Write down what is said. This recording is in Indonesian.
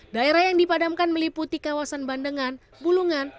daerah yang dipadamkan meliputi kawasan bandengan bulungan